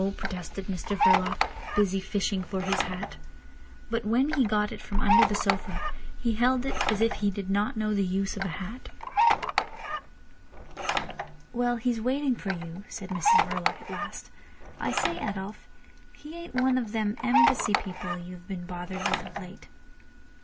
protested Mr Verloc, busy fishing for his hat. But when he got it from under the sofa he held it as if he did not know the use of a hat. "Well—he's waiting for you," said Mrs Verloc at last. "I say, Adolf, he ain't one of them Embassy people you have been bothered with of late?"